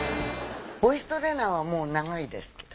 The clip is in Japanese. ボイストレーナーはもう長いですけど。